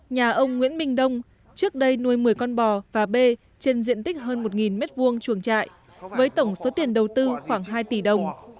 nhà ông nguyễn minh đông trước đây nuôi một mươi con bò và b trên diện tích hơn một m hai chuồng trại với tổng số tiền đầu tư khoảng hai tỷ đồng